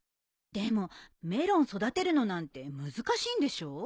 でもメロン育てるのなんて難しいんでしょう？